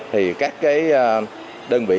thì các đơn vị